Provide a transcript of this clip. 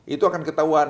itu akan ketahuan